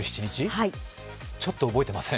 ちょっと覚えてません。